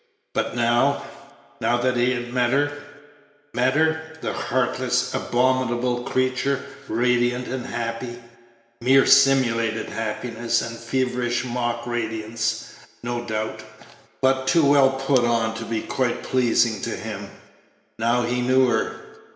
But now now that he met her met her, the heartless, abominable creature, radiant and happy mere simulated happiness and feverish mock radiance, no doubt, but too well put on to be quite pleasing to him now he knew her.